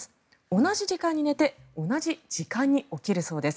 同じ時間に寝て同じ時間に起きるそうです。